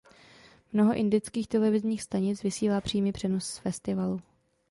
Mnoho indických televizních stanic vysílá přímý přenos z festivalu.